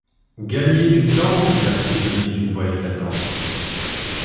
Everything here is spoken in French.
Gagner du temps! cria le prisonnier d’une voix éclatante.